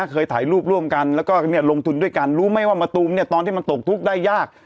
เคยถ่ายรูปร่วมกันแล้วก็ลงทุนด้วยกันรู้ไหมว่ามะตูมเนี่ยตอนที่มันตกทุกข์ได้ยาก